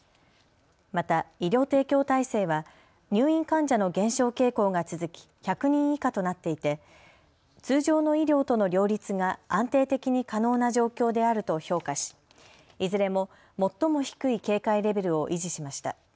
また、医療提供体制は入院患者の減少傾向が続き１００人以下となっていて通常の医療との両立が安定的に可能な状況であると評価しいずれも最も低い警戒レベルを維持しました。